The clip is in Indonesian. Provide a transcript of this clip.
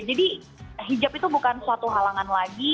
jadi hijab itu bukan suatu halangan lagi